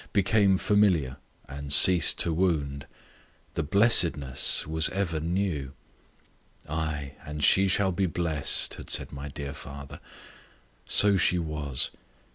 became familiar, and ceased to wound; the blessedness was ever new. "Ay, and she shall be blessed," had said my dear father. So she was.